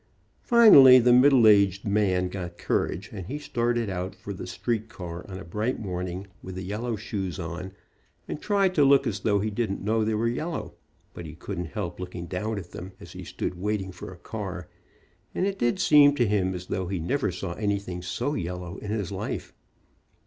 Finally the middle aged man got courage, and he started out for the street car on a bright morning with the yellow shoes on, and tried to look as though he didn't know they were yellow, but he couldn't help looking down at them, as he stood wait ing for a car, and it did seem to him as though he THE YELLOW SHOE PERIOD 35 never saw anything so yellow in his life.